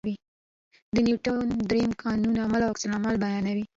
د نیوټن درېیم قانون عمل او عکس العمل بیانوي.